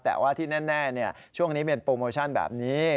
แต่ว่าที่แน่เนี่ยช่วงนี้มีโปรโมชั่นแบบนี้